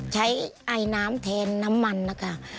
ไอน้ำแทนน้ำมันนะคะ